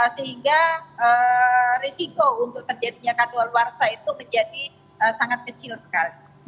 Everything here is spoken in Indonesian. sehingga risiko untuk terjadinya kadal luarsa itu menjadi sangat kecil sekali